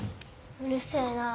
うるせえなあ。